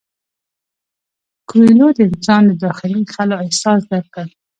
کویلیو د انسان د داخلي خلا احساس درک کړ.